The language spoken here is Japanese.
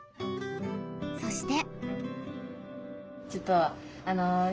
そして。